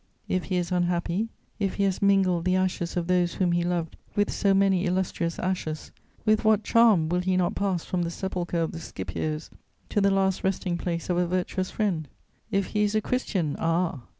If he is unhappy, if he has mingled the ashes of those whom he loved with so many illustrious ashes, with what charm will he not pass from the sepulchre of the Scipios to the last resting place of a virtuous friend!... If he is a Christian, ah!